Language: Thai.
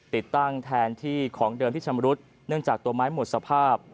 ติดตั้งแทนที่ของเดิมที่ชำรุดเนื่องจากตัวไม้หมดสภาพ